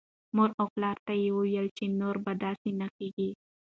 مور او پلار ته یې ویل چې نور به داسې نه کېږي.